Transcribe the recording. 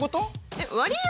えっ割合